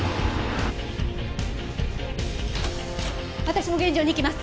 私も現場に行きます。